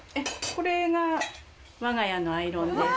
これが我が家のアイロンです。